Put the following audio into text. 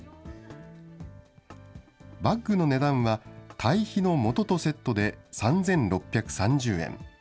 バッグの値段は、堆肥のもととセットで３６３０円。